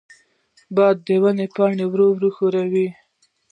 باد د ونو پاڼې ورو ورو ښوروي.